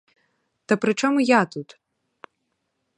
Та при чому я тут?